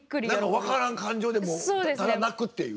分からん感情でもうただ泣くっていう。